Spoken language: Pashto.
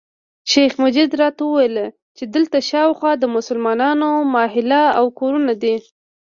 شیخ مجید راته وویل چې دلته شاوخوا د مسلمانانو محله او کورونه دي.